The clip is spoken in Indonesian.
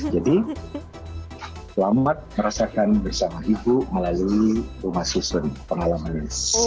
jadi selamat merasakan bersama ibu melalui rumah season pengalaman ini